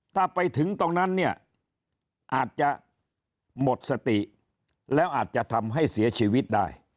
ถ้าไปถึงตรงนั้นเนี่ยอาจจะหมดสติแล้วอาจจะทำให้เสียชีวิตได้